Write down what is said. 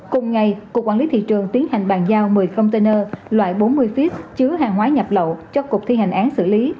cùng ngày cục quản lý thị trường tiến hành bàn giao một mươi container loại bốn mươi feet chứa hàng hóa nhập lậu cho cục thi hành án xử lý